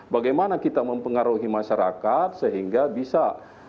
bagaimana kita mempengaruhi masyarakat sehingga bisa